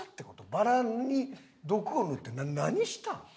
バラに毒を塗って何したん？